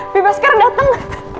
bebas sekarang dateng